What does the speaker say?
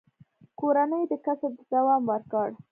کورنۍ دې کسب ته دوام ورکړ.